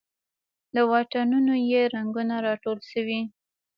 له واټونو یې رنګونه راټول شوې